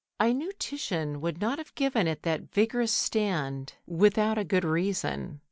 I knew Titian would not have given it that vigorous stand without a good reason.